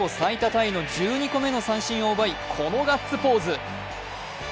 タイの１２個目の三振を奪いこのガッツポーズ。